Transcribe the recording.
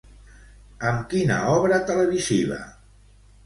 Amb quina obra televisiva?